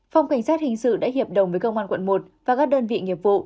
phòng cảnh sát hình sự đã hiệp đồng với công an quận một và các đơn vị nghiệp vụ